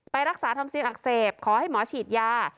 ไปรักษาทำซีนอักเสบขอให้หมอฉีดยา